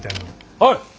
おい！